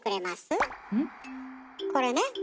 これね。